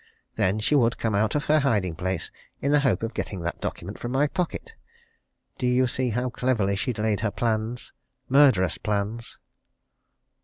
Then she would come out of her hiding place in the hope of getting that document from my pocket! Do you see how cleverly she'd laid her plans murderous plans?"